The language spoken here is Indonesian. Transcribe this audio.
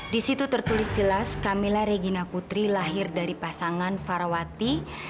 di situ tertulis jelas camilla regina putri lahir dari pasangan farawati